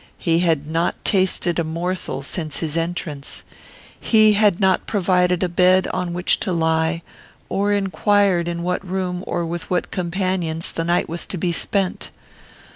He had not tasted a morsel since his entrance. He had not provided a bed on which to lie; or inquired in what room, or with what companions, the night was to be spent.